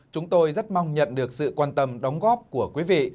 chúng tôi rất mong nhận được sự quan tâm đóng góp của quý vị